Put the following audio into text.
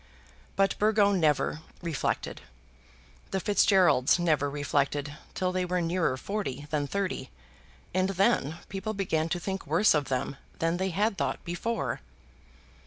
But Burgo never reflected. The Fitzgeralds never reflected till they were nearer forty than thirty, and then people began to think worse of them than they had thought before.